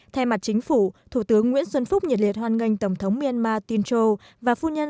thay mặt chính phủ thủ tướng nguyễn xuân phúc nhiệt liệt hoan nghênh tổng thống myanmar tinch châu và phu nhân